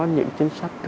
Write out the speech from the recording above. những chính sách